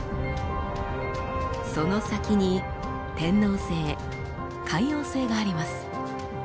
その先に天王星海王星があります。